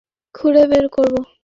নির্বাচনের আগে মাটি খুঁড়ে বের করবো।